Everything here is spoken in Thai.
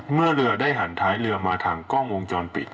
เมื่อเรือได้หันท้ายเรือมาทางกล้องวงจรปิด